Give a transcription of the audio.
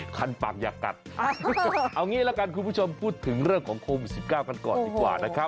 คันปากอยากกัดเอางี้ละกันคุณผู้ชมพูดถึงเรื่องของโควิด๑๙กันก่อนดีกว่านะครับ